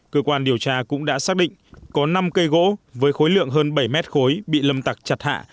cơ quan điều tra cũng đã xác định có năm cây gỗ với khối lượng hơn bảy mét khối bị lâm tặc chặt hạ